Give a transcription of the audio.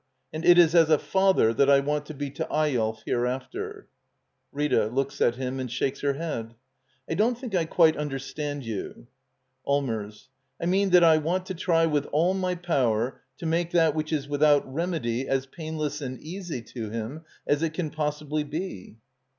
And it is a father that I want to be to "^'Eyolf hereafter. RriA. [Looks at him and shakes her head.] I don't think I quite understand you. Allmers. I mean that I want to try with all my power to make that which is without remedy as painless and easy to him as it can possibly be.